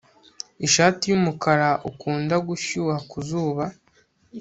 ishati yumukara ukunda gushyuha kuzuba